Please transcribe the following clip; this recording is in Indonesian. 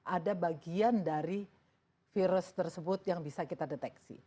ada bagian dari virus tersebut yang bisa kita deteksi